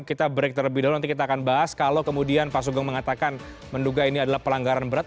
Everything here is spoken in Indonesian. kita break terlebih dahulu nanti kita akan bahas kalau kemudian pak sugeng mengatakan menduga ini adalah pelanggaran berat